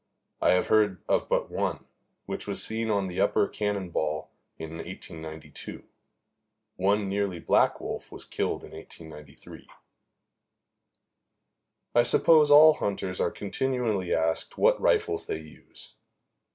I have heard of but one, which was seen on the upper Cannon Ball in 1892. One nearly black wolf was killed in 1893. I suppose all hunters are continually asked what rifles they use.